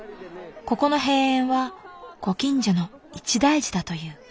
ここの閉園はご近所の一大事だという。